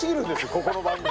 ここの番組。